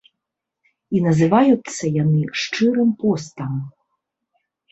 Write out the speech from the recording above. І называюцца яны шчырым постам.